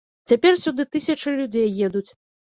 Цяпер сюды тысячы людзей едуць.